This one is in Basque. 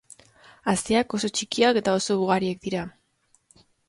Haziak oso txikiak eta oso ugariak dira.